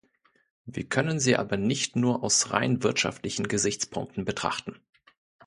Wir können sie aber nicht nur aus rein wirtschaftlichen Gesichtspunkten betrachten.